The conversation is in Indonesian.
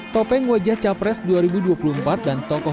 topeng wajah capres dua ribu dua puluh empat dan tokoh politik yang dipakai